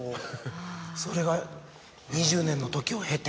それが２０年の時を経て。